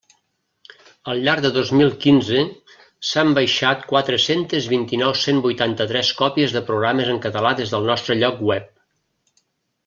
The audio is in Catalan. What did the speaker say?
Al llarg del dos mil quinze s'han baixat quatre-centes vint-i-nou cent vuitanta-tres còpies de programes en català des del nostre lloc web.